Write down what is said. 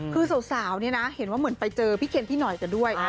คือสาวเนี่ยนะเห็นว่าเหมือนไปเจอพี่เคนพี่หน่อยกันด้วย